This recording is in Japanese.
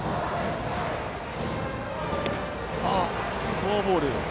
フォアボール。